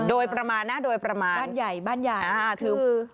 โดยประมาณนะโดยประมาณบ้านใหญ่บ้านใหญ่คือ